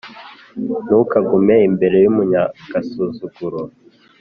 Ntukagume imbere y’umunyagasuzuguro,